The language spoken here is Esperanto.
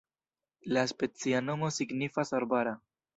La specia nomo signifas arbara.